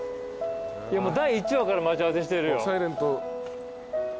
もう第１話から待ち合わせしてるよ。